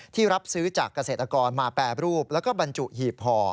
รับซื้อจากเกษตรกรมาแปรรูปแล้วก็บรรจุหีบห่อ